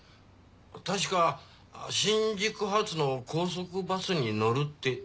たしか新宿発の高速バスに乗るって。